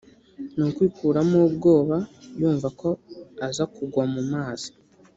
ni ukwikuramo ubwoba yumva ko aza kugwa mu mazi